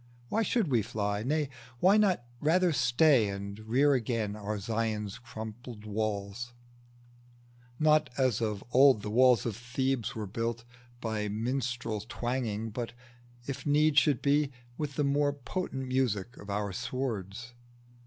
Why should we fly? Nay, why not rather stay And rear again our Zion's crumbled walls, Not, as of old the walls of Thebes were built, By minstrel twanging, but, if need should be, With the more potent music of our swords?